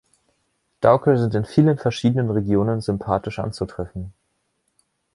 Duiker sind in vielen verschiedenen Regionen sympathisch anzutreffen.